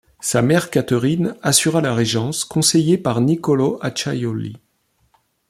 Sa mère Catherine assura la régence, conseillée par Niccolò Acciaiuoli.